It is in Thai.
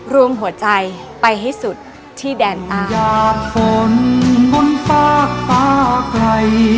ร่วมหัวใจไปให้สุดที่แดนตา